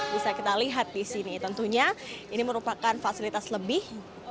bisa kita lihat di sini tentunya ini merupakan fasilitas lebih